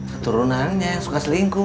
keturunannya suka selingkuh